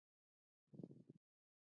د کرنې وزارت مروجین کله کلیو ته راځي؟